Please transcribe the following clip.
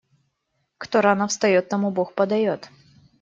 Кто рано встаёт, тому Бог подаёт.